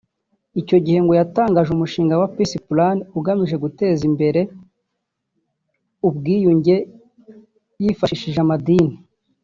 Icyo gihe ngo yatangije umushinga wa Peace Plan ugamije guteza imbere ubwiyunge yifashishije amadini